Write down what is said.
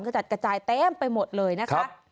จัดกระจายเต็มไปหมดเลยนะคะ